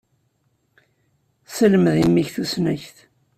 Selmed i mmi-k tusnakt.